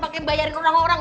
pake bayarin orang orang